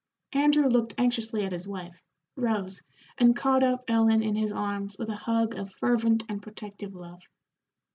Andrew looked anxiously at his wife, rose, and caught up Ellen in his arms with a hug of fervent and protective love.